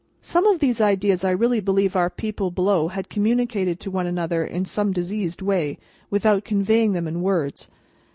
Some of these ideas I really believe our people below had communicated to one another in some diseased way, without conveying them in words.